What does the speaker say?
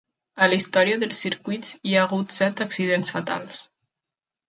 A la història dels circuits, hi ha hagut set accidents fatals.